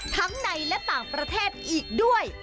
ทั้งในและต่างประเทศอีกด้วย